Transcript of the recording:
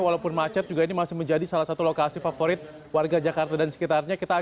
walaupun macet juga ini masih menjadi salah satu lokasi favorit warga jakarta dan sekitarnya